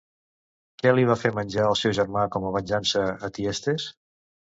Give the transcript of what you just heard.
Què li va fer menjar el seu germà com a venjança a Tiestes?